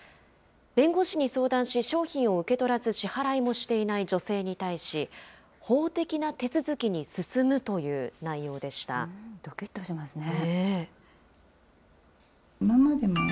弁護士に相談し、商品を受け取らず支払いもしていない女性に対し、法的な手続きにどきっとしますね。